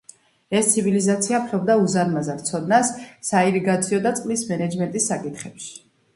ეს ცივილიზაცია ფლობდა უზარმაზარ ცოდნას საირიგაციო და წყლის მენეჯმენტის საკითხებში.